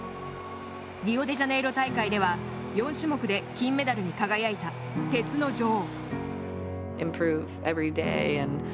リオデジャネイロ大会では４種目で金メダルに輝いた鉄の女王。